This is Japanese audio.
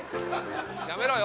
やめろよ？